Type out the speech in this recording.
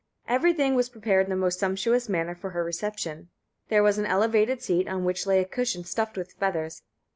Everything was prepared in the most sumptuous manner for her reception. There was an elevated seat, on which lay a cushion stuffed with feathers.